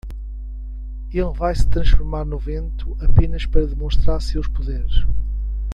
Ele vai se transformar no vento apenas para demonstrar seus poderes.